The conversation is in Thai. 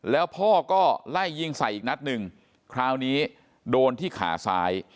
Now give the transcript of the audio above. แล้วพ่อก็ไล่ยิงใส่อีกนัดหนึ่งคราวนี้โดนที่ขาซ้าย